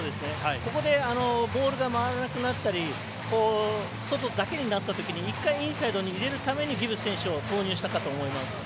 ここでボールが回らなくなったり外だけになったときに１回、インサイドに入れるためにギブス選手を投入したと思います。